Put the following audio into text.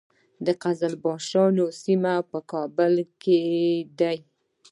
د قزلباشانو سیمې په کابل کې دي